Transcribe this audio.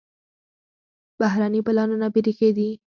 بهرني پلانونه بېریښې دي.